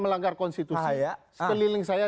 melanggar konstitusi keliling saya